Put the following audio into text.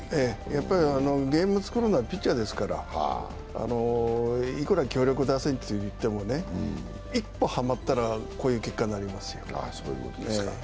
ゲームを作るのはピッチャーですから、いくら強力打線といっても、一歩はまったら、こういう結果になりますよ。